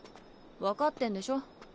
分かってんでしょ？